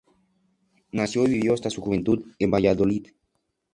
Nació y vivió hasta su juventud en Valladolid.